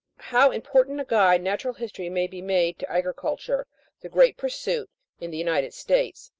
How important a guide natural m'story may be made to agriculture, the great pursuit in the United States